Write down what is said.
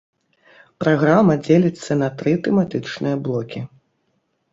Праграма дзеліцца на тры тэматычныя блокі.